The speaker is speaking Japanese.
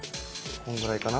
こんぐらいかな。